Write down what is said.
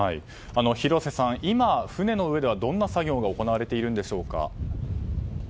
広瀬さん、今、船の上でどんな作業が行われているんでしょうか？